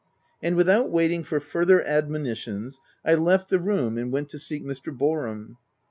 And without waiting for further admonitions, I left the room, and went to seek Mr. Boar ham.